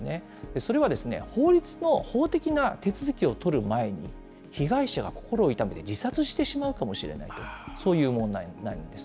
それは法律の法的な手続きを取る前に、被害者が心を痛めて自殺してしまうかもしれないという、そういう問題なんです。